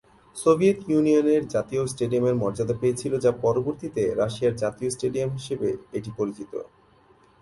Soviet ইউনিয়নের জাতীয় স্টেডিয়ামের মর্যাদা পেয়েছিল যা পরবর্তীতে রাশিয়ার জাতীয় স্টেডিয়াম হিসেবে এটি পরিচিত।